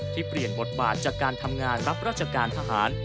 เปลี่ยนบทบาทจากการทำงานรับราชการทหาร